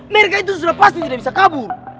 mereka itu sudah pasti tidak bisa kabur